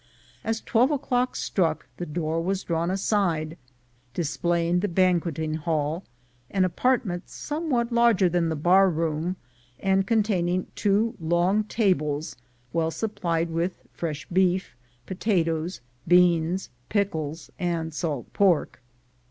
As twelve o'clock struck the door was drawn aside, displaying the banqueting hall, an apartment some what larger than the bar room, and containing two long tables well supplied with fresh beef, potatoes, beans, pickles, and salt pork.